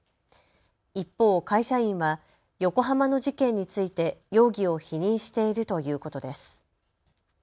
一方、会社員は横浜の事件について容疑を否認しているということです。